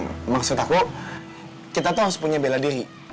ya maksud aku kita tuh harus punya bela diri